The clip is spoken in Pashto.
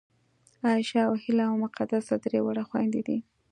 عایشه او هیله او مقدسه درې واړه خوېندې دي